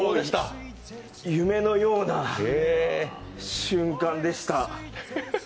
夢のような瞬間でした。